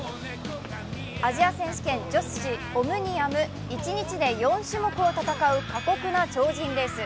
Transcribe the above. アジア選手権・女子オムニアム、一日で４種目を戦う過酷な超人レース。